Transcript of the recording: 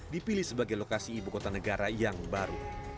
dipilih sebagai lokasi ibu kota negara yang baru